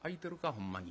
ほんまに」。